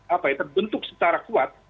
apa itu bentuk secara kuat